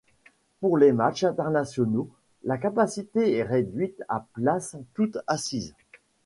Pour les matchs internationaux, la capacité est réduite à places toutes assises.